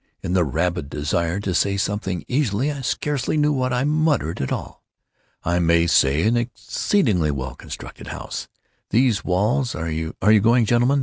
(In the rabid desire to say something easily, I scarcely knew what I uttered at all.)—"I may say an excellently well constructed house. These walls—are you going, gentlemen?